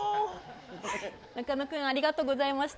中野君ありがとうございました。